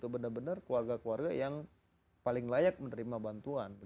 benar benar keluarga keluarga yang paling layak menerima bantuan